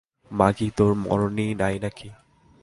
মাগী, তাের মরণ নাই না কি!